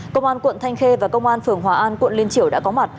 công an quận thanh khê và công an phường hòa an quận liên triểu đã có mặt